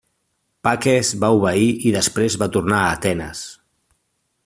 Paques va obeir i després va tornar a Atenes.